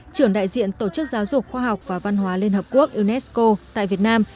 trưởng đại diện tổ chức giáo dục khoa học và văn hóa liên hợp quốc unesco tại việt nam